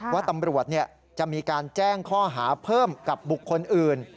ว่าตำรวจจะมีการแจ้งข้อหาเพิ่มกับบุคคลอื่น